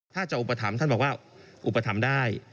ถ้าจะอุปถัมภ์ท่านบอกว่าอุปถัมภ์ได้